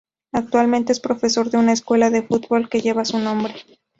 Actualmente es profesor de una escuela de fútbol que lleva su nombre.